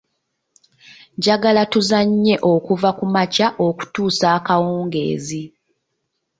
Njagala tuzannye okuva ku makya okutuusa akawungeezi.